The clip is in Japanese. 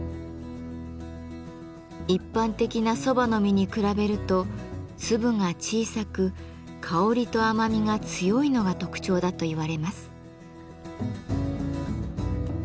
一般的な蕎麦の実に比べると粒が小さく香りと甘みが強いのが特徴だといわれます。